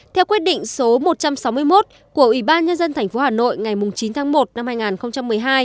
theo quyết định số một trăm sáu mươi một của ủy ban nhân dân tp hà nội ngày chín tháng một năm hai nghìn một mươi hai